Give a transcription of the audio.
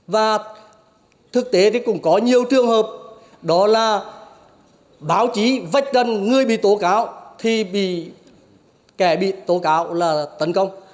và thực tế thì cũng có nhiều trường hợp đó là báo chí vách tân người bị tố cáo thì kẻ bị tố cáo là tấn công